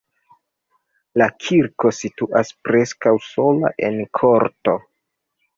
La kirko situas preskaŭ sola en korto.